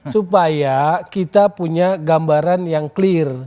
supaya kita punya gambaran yang clear